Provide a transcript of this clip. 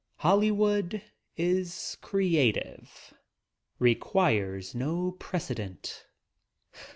Hollywood is creative — requires no precedent.